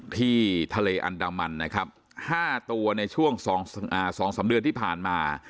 ที่ทะเลอันดามันนะครับ๕ตัวในช่วง๒๓เดือนที่ผ่านมา